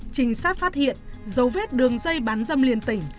trinh sát phát hiện dấu vết đường dây bán dâm liên tỉnh